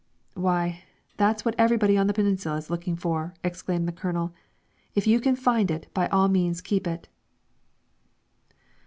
"Why, that's what everyone on the Peninsula is looking for!" exclaimed the Colonel. "If you can find it, by all means keep it!"